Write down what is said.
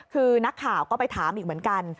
คือนักข่าวก็ไปถามอีกเหมือนกัน